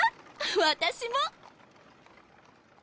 私も！